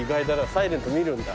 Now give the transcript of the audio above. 『ｓｉｌｅｎｔ』見るんだ。